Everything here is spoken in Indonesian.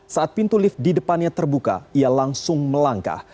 saat pintu lift di depannya terbuka ia langsung melangkah